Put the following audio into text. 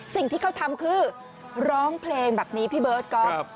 สิ่งที่เขาทำคือร้องเพลงแบบนี้พี่เบิร์ตก๊อฟ